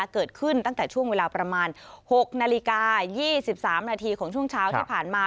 ตั้งแต่ช่วงเวลาประมาณ๖นาฬิกา๒๓นาทีของช่วงเช้าที่ผ่านมา